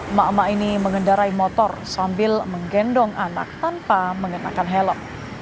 emak emak ini mengendarai motor sambil menggendong anak tanpa mengenakan helm